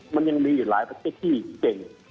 มันยังมีหลายประชาที่เย็น